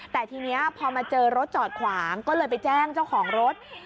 แต่ทีนี้พอมาเจอรถจอดขวางก็เลยไปแจ้งเจ้าของรถ